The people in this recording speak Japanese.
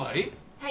はい。